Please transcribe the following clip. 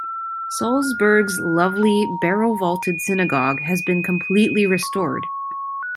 Sulzburg's lovely, barrel-vaulted synagogue has been completely restored.